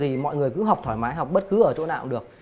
thì mọi người cứ học thoải mái học bất cứ ở chỗ nào cũng được